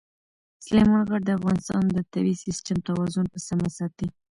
سلیمان غر د افغانستان د طبعي سیسټم توازن په سمه ساتي.